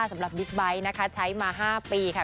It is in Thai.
สำหรับบิ๊กบไบท์นะคะใช้มา๕ปีค่ะ